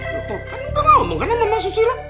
tuh kan udah ngomong karena mau masuk silah